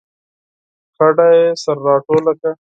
کډه یې سره راټوله کړه